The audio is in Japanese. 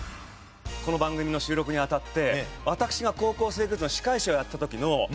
この番組の収録に当たって私が『高校生クイズ』の司会者をやった時の当時高校生。